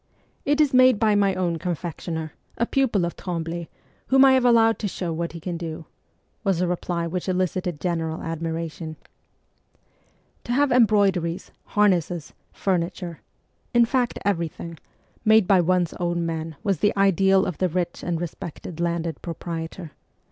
'It is made by my own confectioner, a pupil of Tremble, whom I have allowed to show what he can do/ was a reply which elicited general admiration. CHILDHOOD 33 To have embroideries, harnesses, furniture in fact, everything made by one's own men was the ideal of the rich and respected landed proprietor.